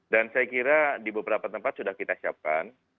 dan saya kira di beberapa tempat sudah kita siapkan